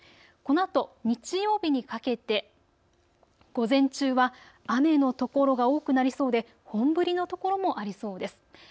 このあと日曜日にかけて午前中は雨の所が多くなりそうで本降りの所もありそうです。